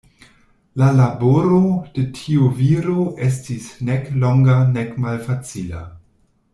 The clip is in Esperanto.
La laboro de tiu viro estis nek longa nek malfacila.